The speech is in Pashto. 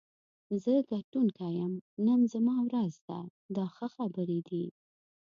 زه ګټونکی یم، نن زما ورځ ده دا ښه خبرې دي.